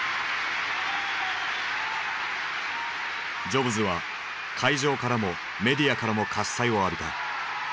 ジョブズは会場からもメディアからも喝采を浴びた。